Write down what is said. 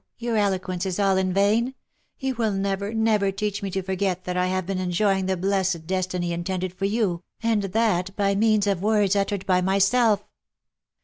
your eloquence is all in vain. You will never, never teach me to forget that I have been enjoying the blessed destiny intended for you, and that by means of words uttered by myself."